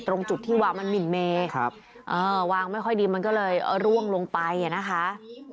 ตรงจุดที่วางมันหมิ่นเมวางไม่ค่อยดีมันก็เลยร่วงลงไปอ่ะนะคะ